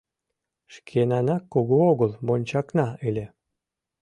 Шкенанак кугу огыл вончакна ыле.